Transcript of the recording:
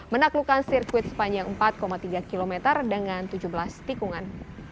menaklukkan sirkuit sepanjang empat tiga km dengan tujuh belas tikungan